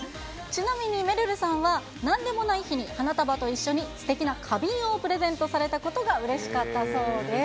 ちなみに、めるるさんはなんでもない日に花束と一緒にすてきな花瓶をプレゼントされたことがうれしかったそうです。